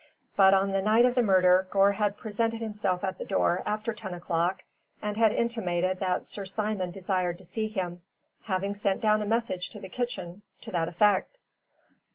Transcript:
But on the night of the murder Gore had presented himself at the door after ten o'clock and had intimated that Sir Simon desired to see him, having sent down a message to the kitchen to that effect.